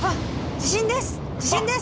地震です！